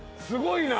すごい。